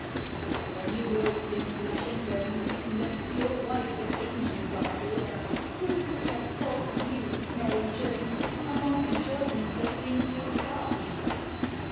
But when you robed your flesh and bones In that pure white that angel garb is, Who could have thought you, Mary Jones, Among the Joans that link with Darbies?